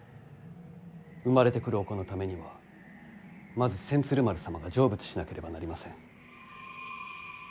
生まれてくるお子のためにはまず千鶴丸様が成仏しなければなりません。